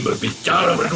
tapi kau tak mau